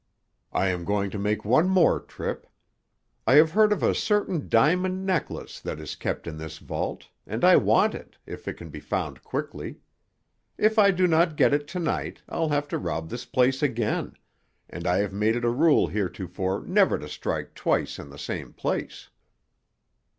I am going to make one more trip. I have heard of a certain diamond necklace that is kept in this vault, and I want it, if it can be found quickly. If I do not get it to night I'll have to rob this place again, and I have made it a rule heretofore never to strike twice in the same place."